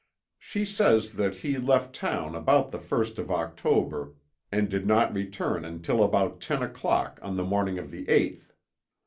She says that he left town about the first of October and did not return until about ten o'clock the morning of the eighth.